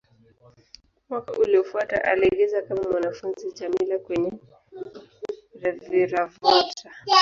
Mwaka uliofuata, aliigiza kama mwanafunzi Djamila kwenye "Reviravolta".